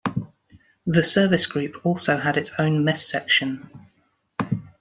The service group also had its own mess section.